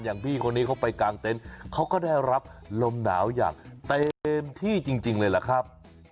พี่คนนี้เขาไปกางเต็นต์เขาก็ได้รับลมหนาวอย่างเต็มที่จริงเลยล่ะครับ